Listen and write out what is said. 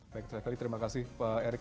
baik sekali terima kasih pak erick